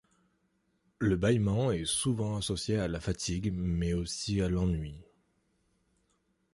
Le bâillement est souvent associé à la fatigue mais aussi à l'ennui.